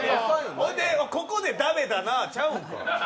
ほんで、ここで駄目だなちゃうんか。